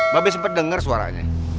gua sempet denger suaranya